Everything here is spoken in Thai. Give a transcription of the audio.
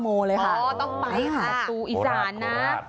โปรรัฑย์โปรรัฑย์